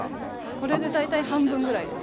これで大体半分ぐらいです。